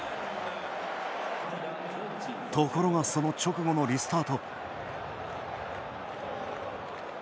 ところが、その直後のリスタート。